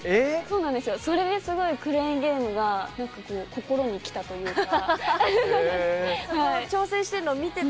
それですごいクレーンゲームが心にきたというか。